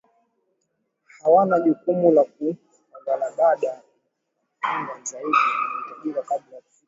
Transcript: hawana jukumu la kufugaIbada za kifungu zaidi zinahitajika kabla ya kufikia hadhi ya